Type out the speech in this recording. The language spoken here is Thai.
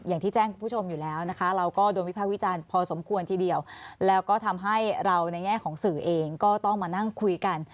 อย่างที่แจ้งคุณผู้ชมอยู่แล้วนะคะเราก็โดนวิภาควิจารณ์พอสมควรทีเดียวแล้วก็ทำให้เราในแง่ของสื่อเองก็ต้องมานั่งคุยกัน